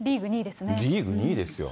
リーグ２位ですよ。